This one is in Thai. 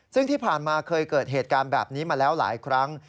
ซึ่งที่ผ่านมาเคยเกิดเหตุการณ์แบบนี้มาแล้วหลายครั้ง